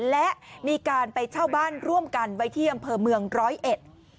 และมีการไปเช่าบ้านร่วมกันไว้ที่อำเภอเมืองร้อยเอ็ด